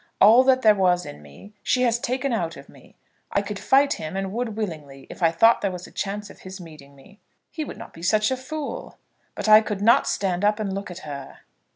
All that there was in me she has taken out of me. I could fight him, and would willingly, if I thought there was a chance of his meeting me." "He would not be such a fool." "But I could not stand up and look at her."